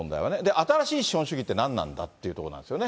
新しい資本主義って何なんだっていうところなんですよね。